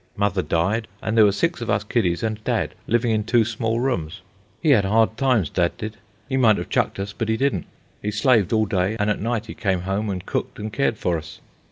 Mother died, and there were six of us kiddies and dad living in two small rooms. "He had hard times, dad did. He might have chucked us, but he didn't. He slaved all day, and at night he came home and cooked and cared for us.